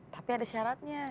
tapi ada syaratnya